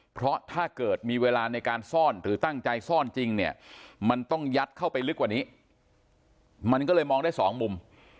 เพราะถ้าเกิดมีเวลาในการซ่อนหรือตั้งใจซ่อนจริงเนี่ยมันต้องยัดเข้าไปลึกกว่านี้มันก็เลยมองได้สองมุม